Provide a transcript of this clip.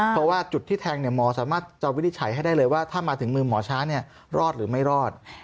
เพราะว่าจุดที่แทงหมอสามารถจะวินิจฉัยให้ได้เลยว่าถ้ามาถึงมือหมอช้ารอดหรือไม่รอด